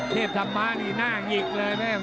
เทพธรรมะนี่หน้าหงิกเลยแม่